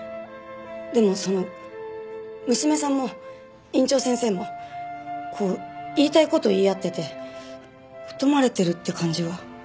でもその娘さんも院長先生もこう言いたい事言い合ってて疎まれてるって感じは。